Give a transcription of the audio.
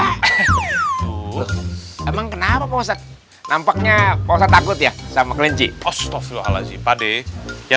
hai memang kenapa ngomongnya posa takut ya sama keinci astagfirullahalazim update yang